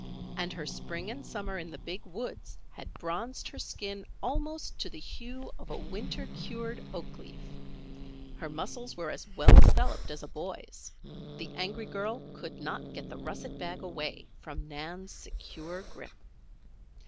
And her spring and summer in the Big Woods had bronzed her skin almost to the hue of a winter cured oak leaf. Her muscles were as well developed as a boy's. The angry girl could not get the russet bag away from Nan's secure grip.